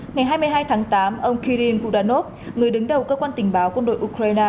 ngày hai mươi hai tháng tám ông kirill kudanov người đứng đầu cơ quan tình báo quân đội ukraine